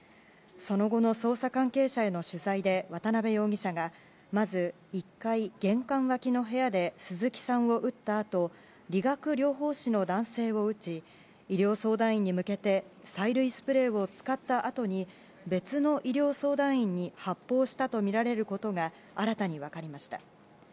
その後の捜査関係者への取材で渡辺容疑者がまず、１階玄関脇の部屋で鈴木さんを撃ったあと理学療法士の男性を撃ち医療相談員に向けて催涙スプレーを使ったあとに別の医療相談員に発砲したとみられることが新たに分かりました。